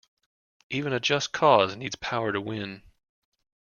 Even a just cause needs power to win.